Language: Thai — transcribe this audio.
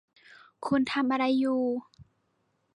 คุณทำอะไรอยู่